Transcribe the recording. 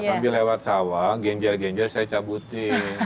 sambil lewat sawah genjel genjel saya cabutin